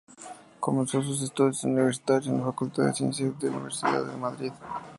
Comenzó sus estudios universitarios en la Facultad de Ciencias de la Universidad Madrid.